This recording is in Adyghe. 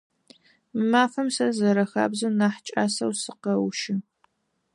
Мы мафэм сэ, зэрэхабзэу, нахь кӏасэу сыкъэущы.